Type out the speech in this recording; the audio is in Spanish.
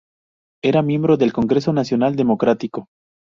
Era miembro del Congreso Nacional Democrático.